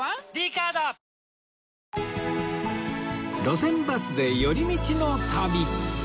『路線バスで寄り道の旅』